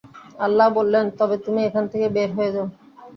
আল্লাহ্ বললেন, তবে তুমি এখান থেকে বের হয়ে যাও।